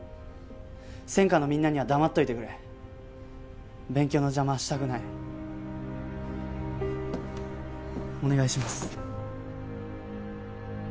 専科のみんなには黙っといてくれ勉強の邪魔はしたくないお願いします